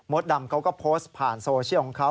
ดำเขาก็โพสต์ผ่านโซเชียลของเขา